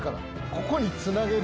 ここにつなげる。